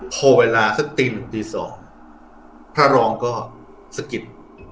พอเวลาสักตีหนึ่งตีสองพระรองก็สะกิด